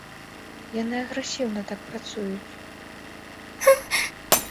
Яны агрэсіўна так працуюць.